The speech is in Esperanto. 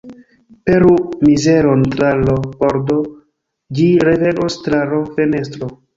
Pelu mizeron tra l' pordo, ĝi revenos tra l' fenestro.